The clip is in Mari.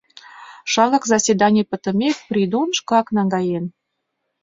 Шаҥгак, заседаний пытымек, Придон шкак наҥгаен.